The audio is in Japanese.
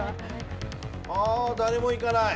ああ誰もいかない？